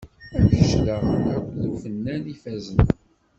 Am kečč daɣen akked ufennan ifazen.